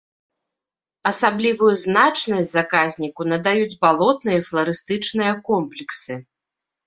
Асаблівую значнасць заказніку надаюць балотныя фларыстычныя комплексы.